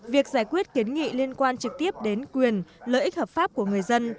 việc giải quyết kiến nghị liên quan trực tiếp đến quyền lợi ích hợp pháp của người dân